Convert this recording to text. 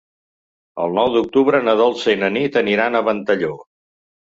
El nou d'octubre na Dolça i na Nit aniran a Ventalló.